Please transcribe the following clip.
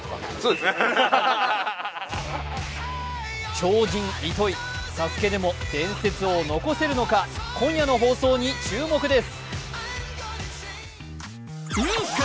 超人・糸井、「ＳＡＳＵＫＥ」でも伝説を残せるのか、今夜の放送に注目です。